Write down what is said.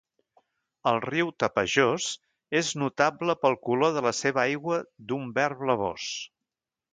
El riu Tapajós és notable pel color de la seva aigua d'un verd blavós.